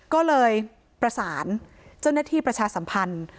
ก็เลยประสานเจ้าหน้าที่ประชาสัมพันธ์